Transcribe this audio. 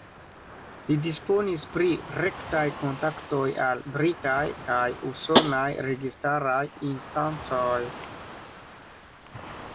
Li disponis pri rektaj kontaktoj al britaj kaj usonaj registaraj instancoj.